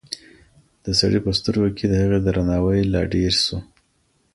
د سړي په سترګو کې د هغې درناوی لا ډېر شو.